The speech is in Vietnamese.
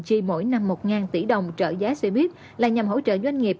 chi mỗi năm một tỷ đồng trợ giá xe buýt là nhằm hỗ trợ doanh nghiệp